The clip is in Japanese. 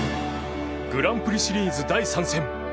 グランプリシリーズ第３戦。